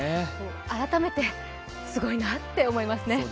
改めて、すごいなって思いますね。